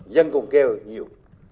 dân còn kêu nhiều